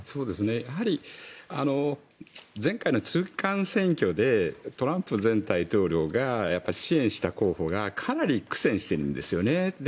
やはり前回の中間選挙でトランプ前大統領が支援した候補がかなり苦戦しているんですよね。